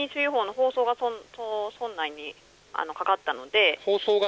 放送が村内にかかった？